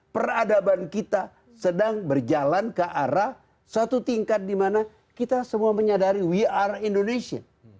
peradaban kita sedang berjalan ke arah suatu tingkat dimana kita semua menyadari kita adalah orang indonesia